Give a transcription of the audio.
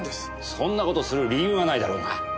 そんな事する理由がないだろうが！